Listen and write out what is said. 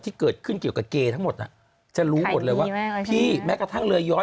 ที่เกิดขึ้นเกี่ยวกับเกย์ทั้งหมดจะรู้หมดเลยว่าพี่แม้กระทั่งเรือย้อน